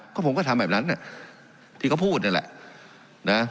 ก็ผมก็ทำแบบนั้นที่เขาพูดนั่นแหละนะ